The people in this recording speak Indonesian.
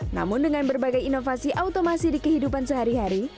namun dengan berbagai inovasi automasi di kehidupan sehari hari